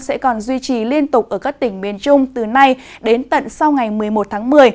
sẽ còn duy trì liên tục ở các tỉnh miền trung từ nay đến tận sau ngày một mươi một tháng một mươi